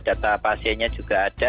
data pasiennya juga ada